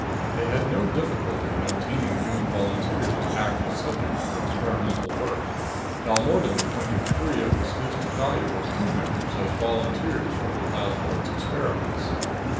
They had no difficulty in obtaining human volunteers to act as subjects for experimental work. Balmordan appointed three of his least valuable crew members as volunteers for the plasmoid's experiments.